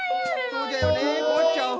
そうじゃよねこまっちゃう。